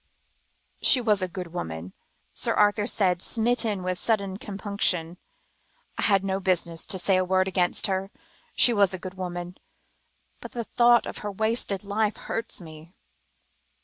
"She was a good woman," Sir Arthur said, smitten with sudden compunction. "I had no business to say a word against her; she was a good woman, but the thought of her wasted life hurts me."